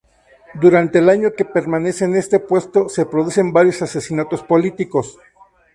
Durante el año que permanece en este puesto se producen varios asesinatos políticos.